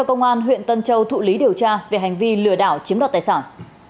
công an huyện tân châu thụ lý điều tra về hành vi lừa đảo chiếm đoạt tài sản